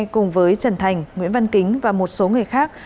cùng với trần thành nguyễn văn kính và một số người khác